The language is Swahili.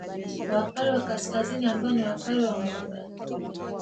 Wapare wa Kaskazini ambao ni Wapare wa Mwanga